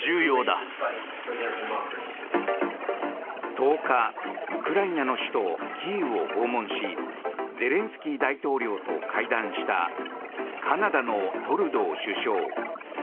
１０日、ウクライナの首都キーウを訪問しゼレンスキー大統領と会談したカナダのトルドー首相。